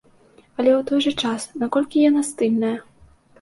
Але ў той жа час, наколькі яна стыльная?